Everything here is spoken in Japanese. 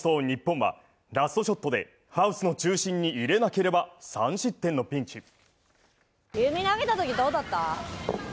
日本はラストショットでハウスの中心に入れなければ３失点のピンチ。